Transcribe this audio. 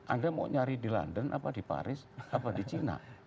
anda mau nyari di london apa di paris apa di china